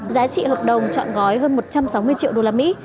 giá trị hợp đồng trọn gói hơn một trăm sáu mươi triệu usd